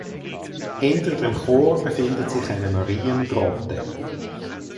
Hinter dem Chor befindet sich eine Mariengrotte.